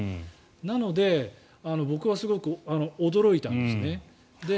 なので僕はすごく驚いたんですね。